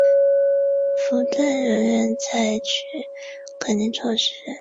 不对人员采取隔离措施